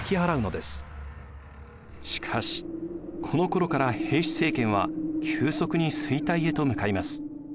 しかしこのころから平氏政権は急速に衰退へと向かいます。